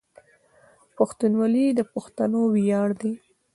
پښتونولي د پښتنو ویاړ ده.